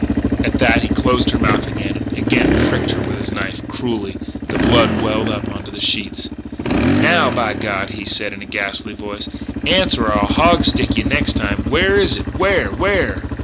At that he closed her mouth again, and again he pricked her with his knife, cruelly. The blood welled up onto the sheets. "Now, by God!" he said in a ghastly voice, "answer or I'll hog stick yeh next time! Where is it? Where! where!"